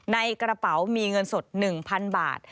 ในกระเป๋ามีเงินสด๑๐๐๐บาท